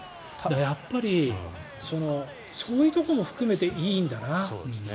やっぱりそういうところも含めていいんだな。